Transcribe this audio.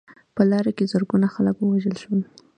په لاره کې زرګونه خلک ووژل شول.